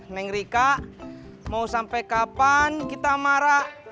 neng rika mau sampai kapan kita marah